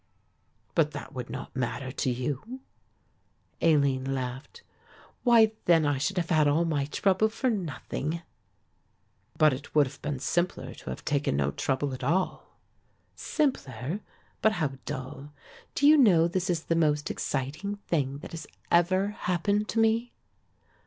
"But that would not matter to you." Aline laughed, "Why then I should have had all my trouble for nothing." "But it would have been simpler to have taken no trouble at all." "Simpler, but how dull; do you know this is the most exciting thing that has ever happened to me?"